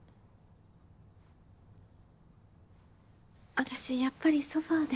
私やっぱりソファで。